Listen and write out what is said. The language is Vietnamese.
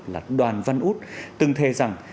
là đoàn văn úc từng thề rằng